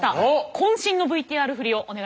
こん身のＶＴＲ振りをお願いします。